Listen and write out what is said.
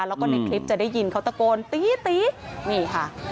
แล้วก็ในคลิปจะได้ยินเขาตะโกนตีตีนี่ค่ะ